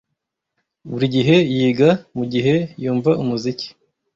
Buri gihe yiga mugihe yumva umuziki.